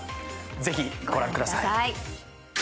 ぜひご覧ください。